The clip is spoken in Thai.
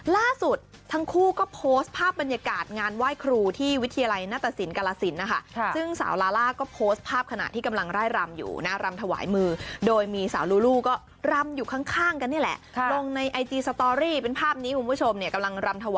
ล่าสุดทั้งคู่ก็โพสต์ภาพบรรยากาศงานไหว้ครูที่วิทยาลัยหน้าตสินกาลสินนะคะ